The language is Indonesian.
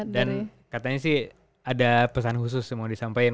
dan katanya sih ada pesan khusus yang mau disampaikan